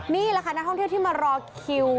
นี่แหละค่ะนักท่องเที่ยวที่มารอคิว